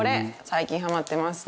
最近ハマってます。